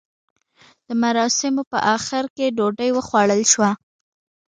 د مراسیمو په اخر کې ډوډۍ وخوړل شوه.